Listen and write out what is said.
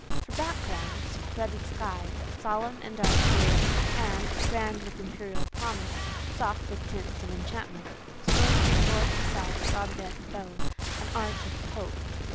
For background, spread a sky, solemn and dark blue, and—grand with imperial promise, soft with tints of enchantment—strode from north to south a God bent bow, an arch of hope.